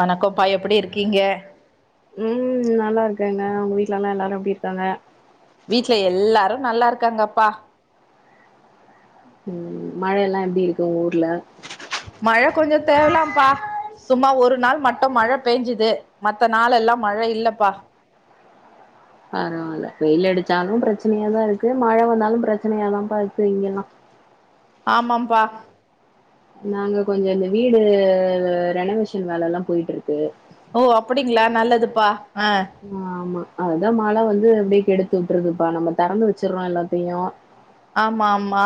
வணக்கோபா எப்டி இருக்கீங்க ம் நல்லார்க்கங்க உங்க வீட்லலா எல்லாரும் எப்டி இருக்காங்க வீட்ல எல்லாரும் நல்லார்க்காங்கப்பா ம் மழல்லாம் எப்டி இருக்கு உங்க ஊர்ல மழ கொஞ்சோம் தேவ்லாம்ப்பா சும்மா ஒரு நாள் மட்டும் மழ பெய்ஞ்சிது மத்த நாளெல்லாம் மழ இல்லப்பா பரவால வெயிலடிச்சாலும் பிரச்சினியாதான் இருக்கு மழ வந்தாலும் பிரச்சனையாதான்ப்பா இருக்கு இங்கல்லாம் ஆமாம்பா நாங்க கொஞ்ச இந்த வீடு ரெனவேஷன் வேலலா போயிட்ருக்கு ஓ அப்படிங்ளா நல்லதுப்பா ஆ ஆமா அதுதா மழ வந்து அப்டியே கெடுத்து விட்டுருதுப்பா நம்ம தெறந்து வச்சறோ எல்லாத்தையு ஆமா ஆமா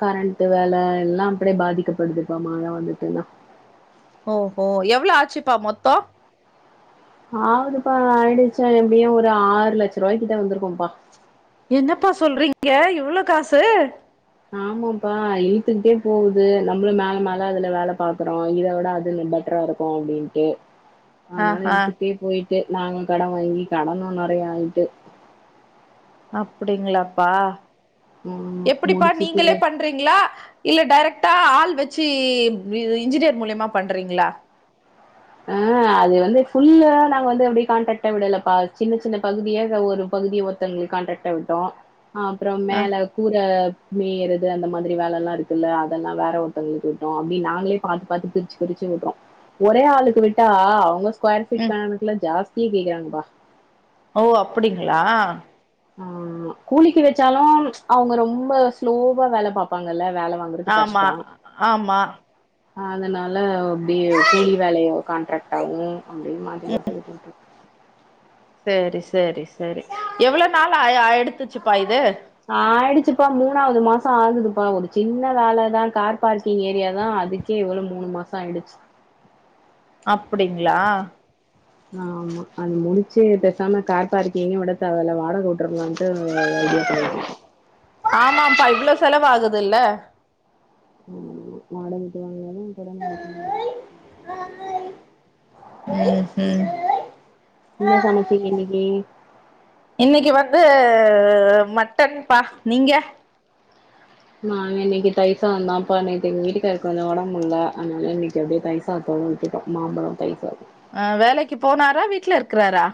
கரண்ட்டு வேல எல்லா அப்படே பாதிக்கப்படுதுப்பா மழ வந்துட்டுன்னா ஓஹோ எவ்ளோ ஆச்சுப்பா மொத்தோ ஆவுதுப்பா ஆயிடுச்ச எப்டியு ஒரு ஆறு லட்சரூவாய்க்கிட்ட வந்திருக்கும்பா என்னப்பா சொல்றீங்க இவ்வளோ காசு ஆமாப்பா இழுத்துக்கிட்டே போவுது நம்மளு மேல மேல அதுல வேல பாக்குறோ இத விட அது பெட்ரா இருக் கு அப்டின்ட்டு அதனால ஆஹா இழுத்துட்டே போயிட்டு நாங்களு கடன் வாங்கி கடனும் நெறைய ஆயிட்டு அப்படிங்களாப்பா ம் எப்படிப்பா முடிச்சுட்டு நீங்களே பண் றீங்ளா இல்ல டைரெக்ட்டா ஆள் வச்சு இன்ஜினியர் மூலியமா பண்றீங்களா அ அது வந்து ஃபுல்ல நாங்க வந்து அப்டே கான்ட்ராக்ட்ட விடலப்பா சின்ன சின்ன பகுதிய ஒரு பகுதிய ஒருத்தோவுங்களுக்கு கான்ட்ராக்ட் ட விட்டோ அ அப்றோ ஆ மேல கூற மேயறது அந்த மாதிரி வேலல்லா இருக்குல்ல அதெல்லா வேற ஒருத்தவுங்களுக்கு விட்டோ அப்டி நாங்களே பாத்து பாத்து பிரி ச்சு பிரிச்சு விட்றோ ஒரே ஆளுக்கு விட்டா அவுங்க ஸ்கொயர் ஃபீட் ம் கணக்குல ஜாஸ்திய கேக்கறாங்கப்பா ஓ அப்படிங்களா ஆமா கூலிக்கு வெச்சாலு அவுங்க ரொம்ப ஸ்லோவா வேல பாப்பாங்கல்ல வேல வாங்குறது ஆமா கஷ்டம். ஆமா அதனால அப்டியே கூலி வேலைய கான்ட்ராக்ட்டாவு அப்டின்னு மாத்தி மாத்தி விட்டுட்ரு சேரி சேரி சேரி எவ்ளோ நாள் ஆய் ஆயிடுத்துச்சுப்பா இது ஆயிடுச்சுப்பா மூணாவது மாசோ ஆகுதுப்பா ஒரு சின்ன வேலதா கார் பார்க்கிங் ஏரியா தா அது க்கே இவ்ளோ மூணு மாசோ ஆயிடுச்சு அப்டிங்களா ஆமா அது முடிச்சு பெசாம கார் பார்க்கிங்கே விடத்தேவல வாடக உட்ருலான்ட்டு ஐடியா [unintelligible] ஆமாப்பா இவ்ளோ செலவு ஆகுதுல்ல ஆமா ஆமா வாடக விட்டு வாங்கனாலு [inaudible] ம் ம் என்ன சமச்சிங்க இன்னிக்கி இன்னைக்கு வந்து மட்டன் பா நீங்க நாங்க இன்னைக்கு தயிர்சாதோ தாப்பா நேத்து எங்க வீட்டுகாரருக்கு கொஞ்சோ ஒடம்பு முடில அதனால இன்னைக்கு அப்டே தயிர் சாதத்தோட விட்டுடோ மாம்பழோ தயிர் சாதோ ஆ வேலைக்கு போனாரா வீட்ல இருக்றாரா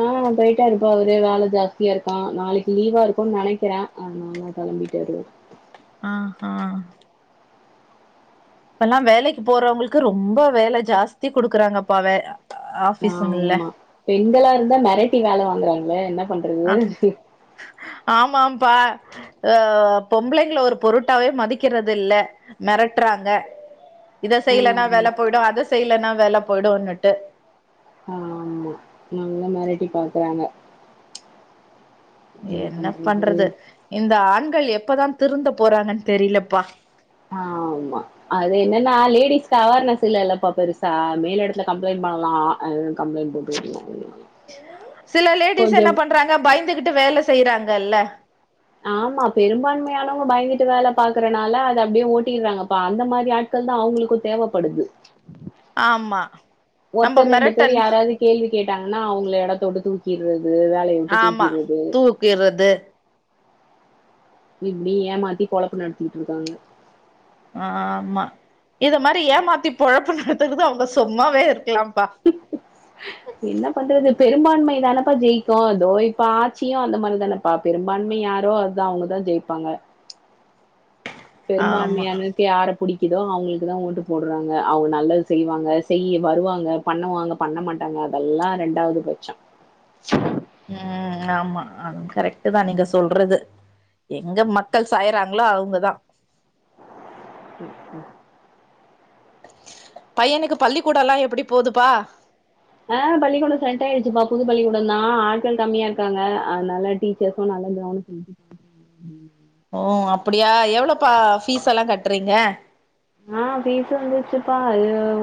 ஆ போயிட்டாருப்பா அவுரு வேல ஜாஸ்தியா இருக்கா நாளைக்கு லீவா இருக்குன் நனைக்கிற அதனால கெளம்பிட்டாரு ஆஹா இப்பல்லா வேலைக்கு போறவுங்களுக்கு ரொம்ப வேல ஜாஸ்தி குடுக்கறாங்கப்பா வேல ஆமா பெண்களா இருந்தா மெரட்டி வேல வாங்கறாங்களே என்ன பண்றது ஆ ஆமாம்பா அ பொம்பளைங்க ஒரு பொருட்டாவே மதிக்கிறது இல்ல மெரட்றாங்க இத செய்யலனா வேல ஆமா போயிடு அத செய்யலனா வேல போயிடுன்னுட்டு ஆமா நல்லா மெரட்டி பாக்கறாங்க என்ன பண்றது இந்த ஆண்கள் எப்பதான் திருந்த போறாங்கன் தெரிலப்பா ஆமா அது என்னன்னா லேடிஸ்க்கு அவேர்னஸ் இல்ல இல்லப்பா பெருசா மேல் எடத்துல கம்ப்ளைண்ட் பண்ணலாம் அதுவும் கம்ப்ளைண்ட் குடுக்கர்க்கு [unintelligible] சில லேடிஸ் என்ன பண்றாங்க பயந்துகிட்டு வேல செய்யறாங்கல்ல ஆமா பெரும்பான்மையானவங்க பயந்துட்டு வேல பாக்கறனால அது அப்டியே ஓட்டிறாங்கப்பா அந்த மாரி ஆள் கள் தான் அவுங்களுக்கு தேவப்படுது ஆமா நம்ம ஒருத்தர் ரெண்டு பேரு மெரட்டன் யாராது கேள்வி கேட்டாங்கன்னா அவங்கள எடத்த வுட்டு தூக்கிறது வே ஆமா தூக்கிறது இப்டி ஏமாத்தி பொலப்பு நடத்திட்ருக்காங்க ஆமா இத மாரி ஏமாத்தி பொழப்பு நடத்துதுக்கு அவங்க சொம்மாவே இருக்கலாம்ப்பா என்ன பண்றது பெரும்பான்மை தானப்பா ஜெயிக்கோ தோ இப்ப ஆச்சியும் அந்த மாரி தான ப்பா பெரும்பான்மை யாரோ அதா அவங்கதா ஜெயிப்பாங்க ஆமா பெரும்பான்மையான யார புடிக்குதோ அவங்ளுக்கு தா ஓட்டு போடுறாங்க அவங்க நல்லது செய்வாங்க செய்யி வருவாங்க பண்ணுவாங்க பண்ண மாட்டாங்க அதெல்லா ரெண்டாவது பட்சம் ம் ஆமா அ கரெக்ட்டு தா நீங்க சொல்றது எங்க மக்கள் சாய்றாங்களோ அவங்கதா ம் ம் பையனுக்கு பள்ளி கூடலா எப்டி போதுபா ஆ பள்ளிக்கூடம் செட் ஆயிடுச்சுப்பா புது பள்ளிக்கூடம் தா ஆட்கள் கம்மியா இருக்காங்க அனால டீ ச்சர்ஸ்சும் நல்லா கவனிக்கி ஓ அப்டியா எவ்ளோ பா ஃபீஸ் எல்லா கட்றீங்க ஆ ஃபீஸ்சு வந்துச்சுப்பா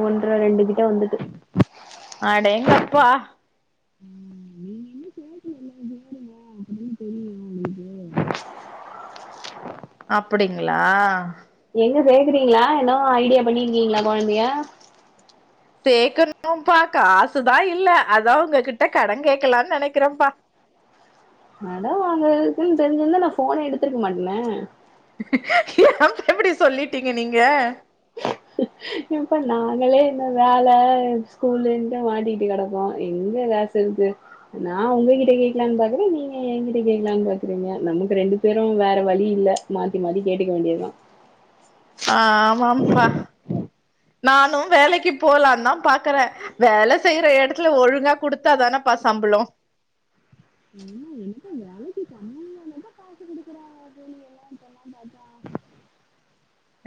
ஒன்ற ரெண்டு கிட்ட வந்துட்டு அடேங்கப்பா ம், நீங்க என்ன சேர்க்கல சேருங்க, அப்பதானே தெரியும் உங்களுக்கு. அப்படிங்ளா எங்க சேக்குறீங்ளா எனோ ஐடியா பண்ணிருக்கீங்களா கொழ்ந்தைய சேக்கணும்பா காசுதா இல்ல அதா உங்ககிட்ட கடன் கேட்கலான் நெனைக்குறன்ப்பா கடம் வாங்க இருக்குன் தெரிஞ்சிந்தா நா ஃபோனே எடுத்ருக்க மாட்னே ஏன்ப்பா இப்டி சொல்லிட்டீங்க நீங்க ஏன் பா நாங்களே இந்த வேல ஸ்கூல்லுன்ட்டு மாட்டிட்டு கெடப்போம் எங்க கா தெர்து நா ஒங்க கிட்ட கேக்கலான் பாக்குற நீங்க என் கிட்ட கேக்கலான் பாக்குறீங்க நமக்கு ரெண்டு பேரும் வேற வழி இல்ல மாத்தி மாத்தி கேட்டுக்க வேண்டிய தா ஆமாம்ப்பா நானும் வேலைக்கு போலான் தா பாக்கற வேல செய்ற எடத்துல ஒழுங்கா குடுத்தா தானப்பா சம்புளம் ம் என்னமோ வேலைக்கி தனமும் இப்ப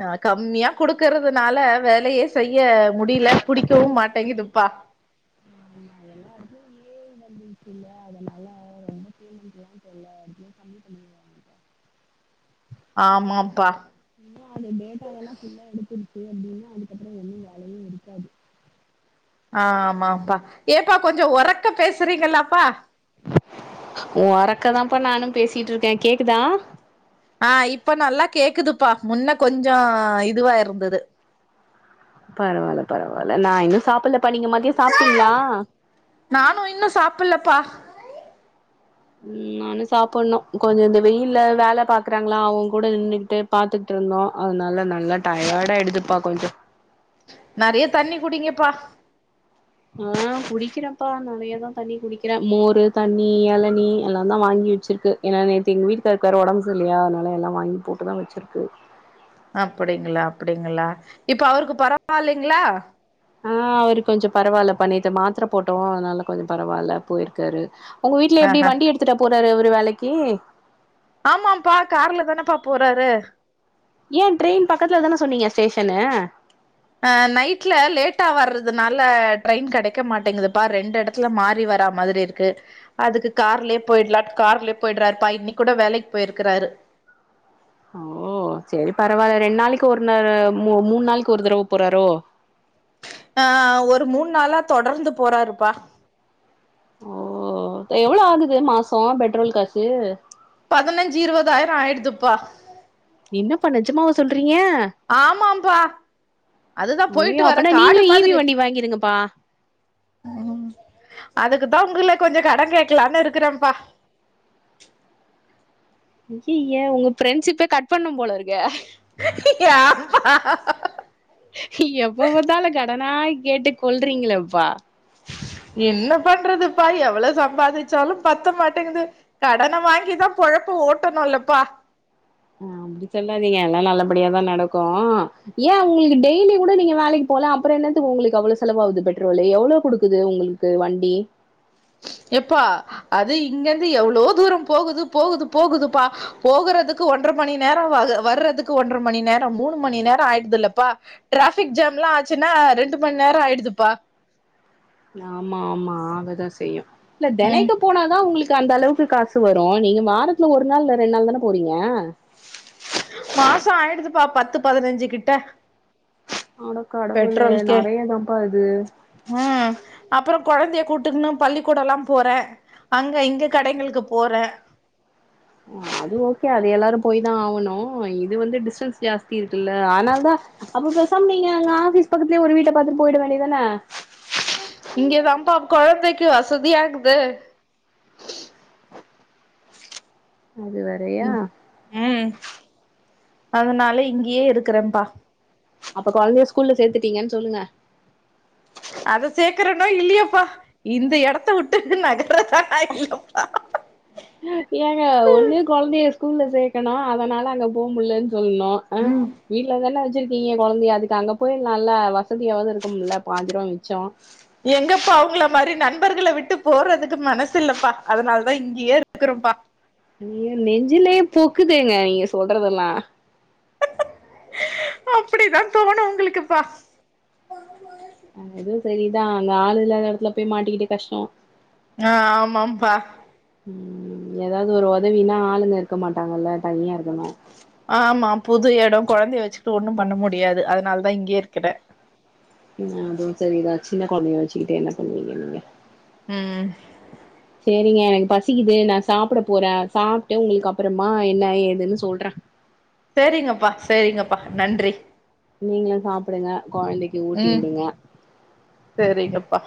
ஆ கம்மியா குடுக்கறதுனால வேலயே செய்ய முடில புடிக்கவும் மாட்டேங்கிதுப்பா இல்ல அதனால சொல்ல அடுத்து கம்மி பண்ணியா ஆமாம் ப்பா இன்னு அது டேட்டாவெல்லா ஃபுல்லா எத்துடுச்சு அப்டின்னா அதுக்கப்புற ஒன்னு வேலயு இருக்காது அ ஆமாப்பா ஏப்பா கொஞ்சோ ஒரக்க பேசுறீங்களாப்பா ஒறக்கதான்ப்பா நானு பேசிட்ருக்கே கேக்குதா ஆ இப்ப நல்லா கேக்குதுப்பா முன்ன கொஞ்சோ இதுவா இருந்தது பரவால்ல பரவால்ல நா இன்னு சாப்புல்ல பா நீங்க மதியோ சாப்ட்டீங்ளா நானு இன்னு சாப்புல்லப்பா ம் நானு சாப்புண்ணு கொஞ்சோ இந்த வெயில்ல வேல பாக்குறாங்களா அவங் கூட நின்னுகிட்டு பாத்துட்டுருந்தோ அதுனால நல்லா டயர்டாய்டுதுப்பா கொஞ்சோ நறைய தண்ணி குடிங்கப்பா ஆ குடிக்கிறன்ப்பா நறைய தா தண்ணி குடிக்கிற மோரு தண்ணி எளநி எல்லாந்தா வாங்கி வச்சிருக்கு ஏன்னா நேத்து எங்க வீட்டு்காருக்கு வேற ஒடம்பு சரி இல்லயா அதுனால எல்லா வாங்கி போட்டு தா வச்சிருக்கு அப்டிங்களா அப்டிங்களா இப்போ அவருக்கு பரவாலைங்ளா ஆ அவரு கொஞ்சோ பரவால்லப்பா நேத்து மாத்ர போட்டோ அனால கொஞ்சோ பரவால்ல போயிருக்காரு உங்க வீட்ல எப்டி ஆஹ வண்டி எடுத்துட்டா போறாரு அவரு வேலைக்கி ஆமாம்பா கார்ல தானாப்பா போறாரு ஏன் ட்ரெயின் பக்கத்துல தானே சொன்னீங்க ஸ்டேஷன்னு ஆ நைட்ல லேட்டா வர்றதுனால ட்ரெயின் கிடைக்க மாட்டேங்குதுப்பா ரெண்டு எடத் துல மாறி வரா மாதிரி இருக்கு அதுக்கு கார்லையே போய்டலான் கார்லையே போய்ட்றாருப்பா இன்னைக்கு கூட வேலைக்கு போயிருக்காரு ஓ செரி பரவால்ல ரெண்டு நாளைக்கு ஒரு நார மூ மூண் நாளைக்கு ஒரு தடவ போறாரோ ஆ ஒரு மூண் நாளா தொடர்ந்து போறாருப்பா ஓ எவ்ளோ ஆகுது மாசோ பெட்ரோல் காசு பதினைஞ்சு இருவதாயிரோ ஆய்டுதுப்பா என்னப்பா நெஜமாவா சொல்றீங்க ஆமாம்பா அது தா போய்ட்டு ஐயோ வர அப்பனா காடு நீங்களு ஈவி மாதிரி வண்டி வாங்கிருங்கப்பா அதுக்கு தா உங்கள கொஞ்சோ கடன் கேக்கலான்னு இருக்குறேன்ப்பா ஐய்யய்ய உங்க ஃப்ரெண்ட்ஸ்ஷிப்பே கட் பண்ணும் போல இருக்கே ஏப்பா எப்ப பாத்தாலு கடனா கேட்டு கொள்றீங்களே ப்பா என்ன பண்றதுப்பா எவ்வளோ சம்பாதிச்சாலு பத்த மாட்டேங்குது கடன வாங்கி தா பொழப்ப ஓட்டணுல்லப்பா அ அப்டி சொல்லாதீங்க எல்லா நல்லபடியா தா நடக்கு ஏ உங்களுக்கு டெய்லி கூட நீங்க வேலைக்கு போல அப்புறோ என்னத்துக்கு உங்களுக்கு அவ்ளோ செலவாகுது பெட்ரோலு எவ்ளோ குடுக்குது உங்கள் க்கு வண்டி எப்பா அது இங்க இருந்து எவ்ளோ தூரோ போகுது போகுது போகுதுப்பா போகுறதுக்கு ஒன்ற மணி நேரோ வகு வர்றதுக்கு ஒன்ற மணி நேரோ மூணு மணி நேரோ ஆயிடுதில்லப்பா டிராஃபிக் ஜாம் எல்லா ஆச்சுன்னா ரெண்டு மண் நேரோ ஆயிடுதுப்பா ஆமா ஆமா ஆகதா செய்யு இல்ல ம் தெனைக்கு போனா தா உங்களுக்கு அந்த அளவுக்கு காசு வரு நீங்க வாரத்துல ஒரு நாள் இல்ல ரெண்டு நாள் தானே போறீங்க மாசோ ஆயிடுதுப்பா பத்து பதினஞ்சு கிட்ட அடக் கடவுளே பெட்ரோல்கே நறையதான்பா இது ம் அப்புறோ கொழந்தைய கூட்டுக்குன்னு பள்ளிக்கூடோல்லா போறே அங்க இங்க கடைங்களுக்கு போறே அது ஓகே அது எல்லாரு போய் தா ஆவணு இது வந்து டிஸ்டன்ஸ் ஜாஸ்தி இருக்குல்ல அதுனாலதா அப்ப பேசாம நீங்க அங்க ஆபீஸ் பக்கத்துலயே ஒரு வீட்ட பாத்துட்டு போய்ட வேண்டிய தானே இங்க தாம்பா கொழந்தைக்கு வசதியா இக்குது அது வேறயா ம் அதனால இங்கயே இருக்கறே ப்பா அப்ப கொழந்தைய ஸ்கூல்ல சேத்துட்டீங்கன்னு சொல்லுங்க அத சேக்கறனோ இல்லையேப்பா இந்த எடத்த விட்டு நகுரதா இல்லப்பா ஏங்க ஒண்ணு கொழந்தைய ஸ்கூல்ல சேக்கணு அதனால அங்க போ முடிலன்னு சொல்லணு ஆ ம் வீட்ல தானே வெச்சிருக்கீங்க கொழந்தையா அதுக்கு அங்க போய் நல்லா வசதியாவது இருக்கும்ல பாஞ்சிருவா மிச்சோ எங்கப்பா அவுங்கள மாரி நண்பர்கள்ல விட்டு போறதுக்கு மனசு இல்லப்பா அதனால தா இங்கயே இருக்கறே ப்பா நீங்க நெஞ்சிலையே பூக்குதேங்க நீங்க சொல்றதெல்லா அப்டி தா தோணு உங்களுக்குப்பா அதுவு செரி தா அங்க ஆள் இல்லாத எடத்துல போய் மாட்டிக்கிட்டு கஷ்டோ ஆ ஆமாம்பா ம் ஏதாது ஒரு ஒதவின்னா ஆளுங்க இருக்க மாட்டாங்கல்ல தனியா இருக்கணு ஆமா புது எடோ கொழந்தைய வெச்சுட்டு ஒண்ணு பண்ண முடியாது அதனால தா இங்கயே இருக்கறே அ அதுவு செரி தா சின்ன கொழந்தைய வெச்சுக்கிட்டு என்ன பண்ணுவீங்க நீங்க ம் செரிங்க எனக்கு பசிக்குது நா சாப்ட போறே சாப்ட்டு உங்களுக்கு அப்புறமா என்ன ஏதுன்னு சொல்றே சேரிங்கப்பா சேரிங்கப்பா நன்றி நீங்களு சாப்பிடுங்க கொழந்தைக்கு ஊட்டி ம் வுடுங்க சேரிங்கப்பா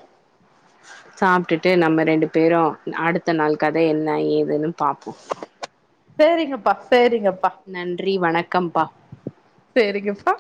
அஹ [inaudible] சாப்பிட்டுட்டு நம்ம ரெண்டு பேரு அடுத்த நாள் கதை என்ன ஏதுன்னு பாப்போ சேரிங்கப்பா சேரிங்கப்பா நன்றி வணக்கம்ப்பா சேரிங்கப்பா